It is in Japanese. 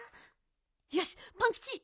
よしパンキチ！